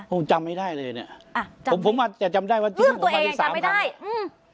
ผมจำไม่ได้เลยเนี้ยอ่ะจำผมผมอาจจะจำได้ว่าเรื่องตัวเองจำไม่ได้อืม